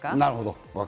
なるほど。